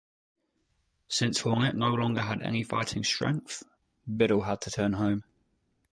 Since "Hornet" no longer had any fighting strength, Biddle had to turn home.